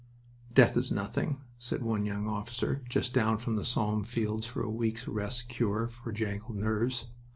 "Death is nothing," said one young officer just down from the Somme fields for a week's rest cure for jangled nerves.